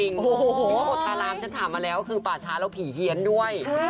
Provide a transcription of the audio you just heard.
โอ้โหโพธารามฉันถามมาแล้วคือป่าช้าแล้วผีเฮียนด้วย